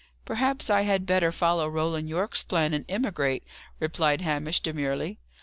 "Perhaps I had better follow Roland Yorke's plan, and emigrate," replied Hamish, demurely.